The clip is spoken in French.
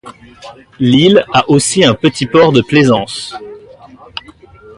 L'île a aussi un petit port de plaisance.